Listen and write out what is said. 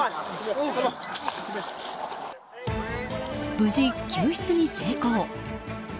無事、救出に成功。